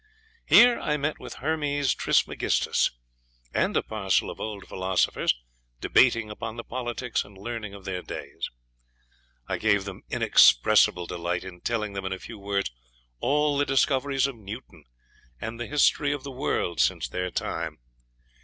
Here I met with Hermes Trismegistus, and a parcel of old philosophers debating upon the politics and learning of their days. I gave them inexpressible delight in telling them, in a few words, all the discoveries of Newton, and the history of the world since their time.